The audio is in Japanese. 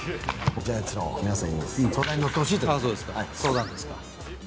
ジャイアンツの皆さんに、そうだんですか。